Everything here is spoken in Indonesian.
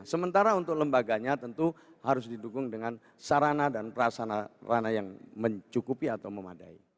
sementara untuk lembaganya tentu harus didukung dengan sarana dan prasarana yang mencukupi atau memadai